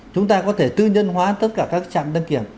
chúng ta có thể tư nhân hóa tất cả các trạm đăng kiểm